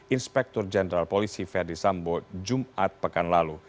inspektur jenderal polisi verdi sambo jumat pekan lalu